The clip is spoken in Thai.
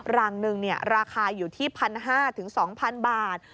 รังหนึ่งราคาอยู่ที่๑๕๐๐๒๐๐บาท